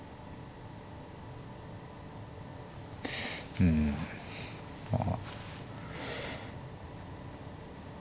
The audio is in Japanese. うんまあ。